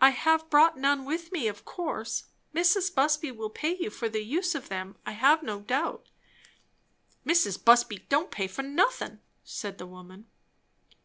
"I have brought none with me, of course. Mrs. Busby will pay you for the use of them, I have no doubt." "Mrs. Busby don't pay for nothin'," said the woman.